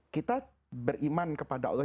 kita beriman kepada allah